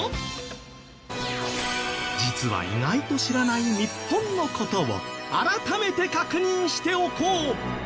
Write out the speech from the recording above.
実は意外と知らない日本の事を改めて確認しておこう！